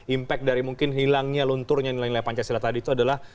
impact dari mungkin hilangnya lunturnya nilai nilai pancasila tadi itu adalah